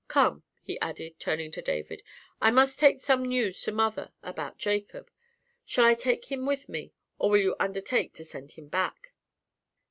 "Come," he added, turning to David, "I must take some news to mother about Jacob. Shall I take him with me, or will you undertake to send him back?"